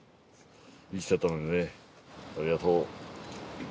生きてたのにねありがとう。